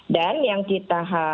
dan yang kita